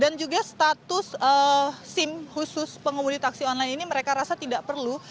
dan juga status sim khusus pengemudi taksi online ini mereka rasa tidak perlu